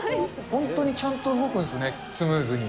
本当にちゃんと動くんですね、スムーズに。